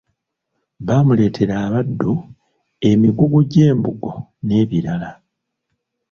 Bamuleetera abaddu, emigugu gy’embugo n’ebirala.